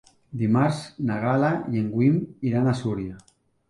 Dimarts na Gal·la i en Guim iran a Súria.